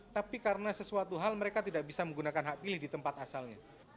tapi karena sesuatu hal mereka tidak bisa menggunakan hak pilih di tempat asalnya